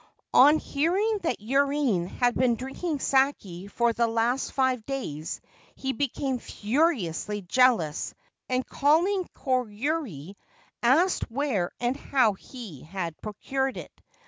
On hearing that Yurine had been drinking sak£ for the last five days he became furiously jealous, and, calling Koyuri, asked where and how he had procured it.